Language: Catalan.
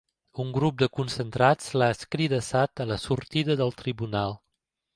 Un grup de concentrats l’ha escridassat a la sortida del tribunal.